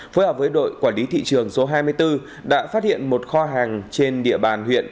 phối hợp với đội quản lý thị trường số hai mươi bốn đã phát hiện một kho hàng trên địa bàn huyện